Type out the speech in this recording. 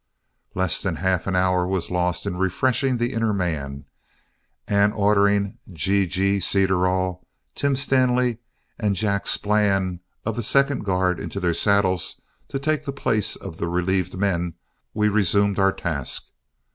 Less than half an hour was lost in refreshing the inner man, and ordering "G G" Cederdall, Tim Stanley, and Jack Splann of the second guard into their saddles to take the place of the relieved men, we resumed our task.